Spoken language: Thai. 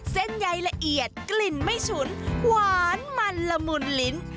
เส้นใยละเอียดกลิ่นไม่ฉุนหวานมันละมุนลิ้น